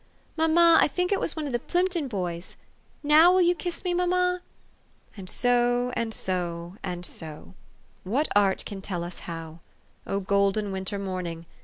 ... Mamma, I fink it was one of the Plimpton boys. Now will you kiss me, mamma? " And so, and so, and so what art can tell us how ? O golden winter morning